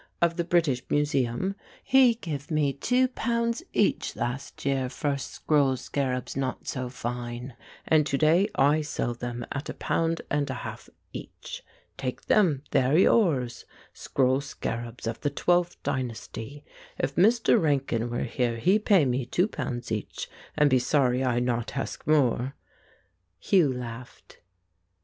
of the British Museum, he give me two pounds each last year for scroll scarabs not so fine, and to day I sell them at a pound and a half each. Take them ; they are yours. Scroll scarabs of the twelfth dynasty ; if Mr. Rankin were here he pay me two pounds each, and be sorry I not ask more." Hugh laughed.